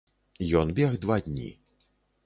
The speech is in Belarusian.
Ён бег два дні.